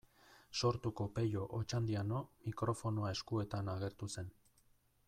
Sortuko Pello Otxandiano mikrofonoa eskuetan agertu zen.